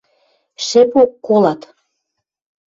Шӹпок колат...